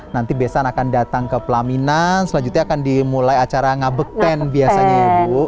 nanti besan akan datang ke pelaminan selanjutnya akan dimulai acara ngabekten biasanya ya bu